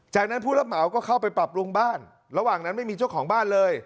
จากนั้นผู้รับเหมาก็เข้าไปปรับปรุงบ้านระหว่างนั้นไม่มีเจ้าของบ้านเลย